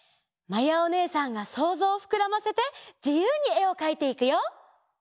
まやおねえさんがそうぞうをふくらませてじゆうにえをかいていくよ。